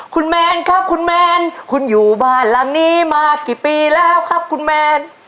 คุณแมนครับคุณแมนคุณอยู่บ้านหลังนี้มากี่ปีแล้วครับคุณแมน